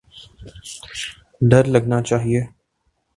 ڈر لگنا چاہیے۔